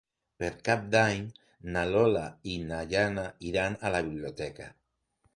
Per Cap d'Any na Lola i na Jana iran a la biblioteca.